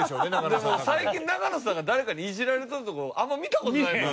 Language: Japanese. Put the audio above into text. でも最近永野さんが誰かにいじられてるとこあんま見た事ない。